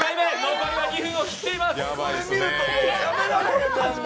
残りは２分を切っています。